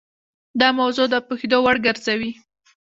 دا موضوع د پوهېدو وړ ګرځوي.